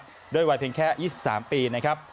โทษวัตด์ด้วยวัยเพียงแค่๒๓ปีนะครับ